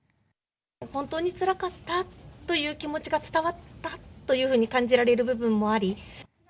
本当につらかったという気持ちが伝わったっていうふうに感じられる部分もあり。